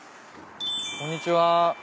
こんにちは。